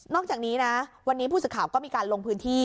จากนี้นะวันนี้ผู้สื่อข่าวก็มีการลงพื้นที่